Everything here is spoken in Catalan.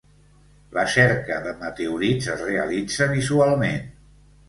La cerca de meteorits es realitza visualment.